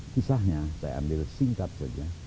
kisahnya saya ambil singkat saja